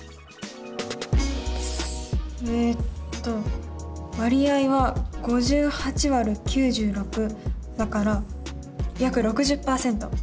えっと割合は５８÷９６だから約６０％。